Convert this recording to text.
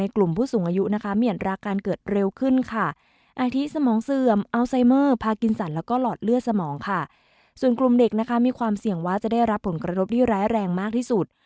กระทบที่ร้ายแรงมากที่สุด